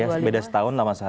ya beda setahun sama saya